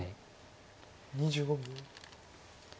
２５秒。